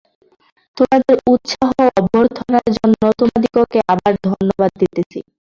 তোমাদের উৎসাহ ও অভ্যর্থনার জন্য তোমাদিগকে আবার ধন্যবাদ দিতেছি।